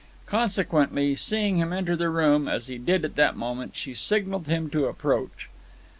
Consequently, seeing him enter the room, as he did at that moment, she signalled him to approach.